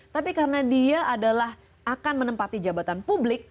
tapi karena dia adalah akan menempati jabatan publik